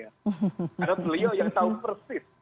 karena beliau yang tahu persis